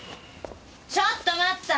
ちょっと待った！